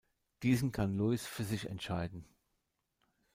Diesen kann Louis für sich entscheiden.